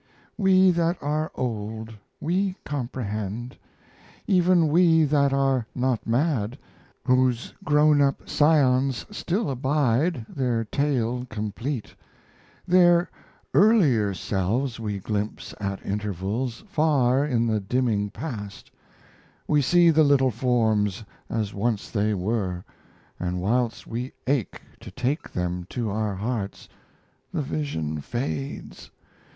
We that are old we comprehend; even we That are not mad: whose grown up scions still abide; Their tale complete: Their earlier selves we glimpse at intervals Far in the dimming past; We see the little forms as once they were, And whilst we ache to take them to our hearts, The vision fades.